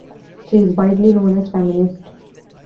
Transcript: She is widely known as a feminist.